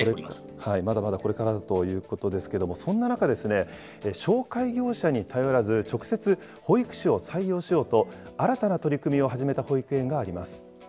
まだまだこれからだということですけれども、そんな中、紹介業者に頼らず、直接、保育士を採用しようと、新たな取り組みを始めた保育園があります。